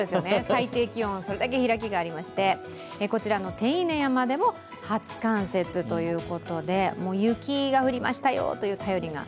最低気温、それだけ開きがありまして、こちらの手稲山でも初冠雪ということで、雪が降りましたよという便りが。